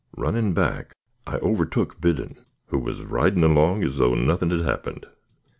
Running back, I overtook Biddon, who was riding along as though nothing had happened.